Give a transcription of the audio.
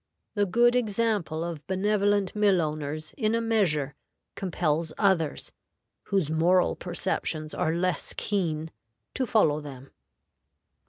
The good example of benevolent mill owners in a measure compels others, whose moral perceptions are less keen, to follow them.